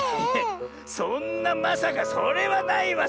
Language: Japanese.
そんなまさかそれはないわ